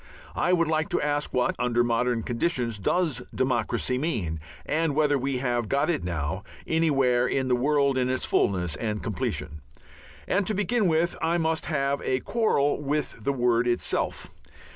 I would like to ask what, under modern conditions, does democracy mean, and whether we have got it now anywhere in the world in its fulness and completion. And to begin with I must have a quarrel with the word itself.